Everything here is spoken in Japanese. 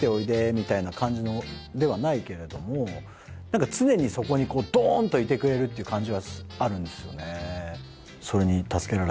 みたいな感じではないけれども常にそこにドン！といてくれる感じはあるんですよね。